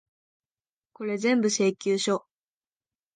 これぜんぶ、請求書。